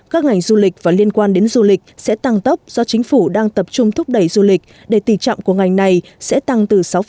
các ngành du lịch và liên quan đến du lịch sẽ tăng tốc do chính phủ đang tập trung thúc đẩy du lịch để tỷ trọng của ngành này sẽ tăng từ sáu